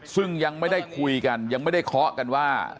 ซึ่งยังไม่ได้คุยกันยังไม่ได้เคาะกันว่า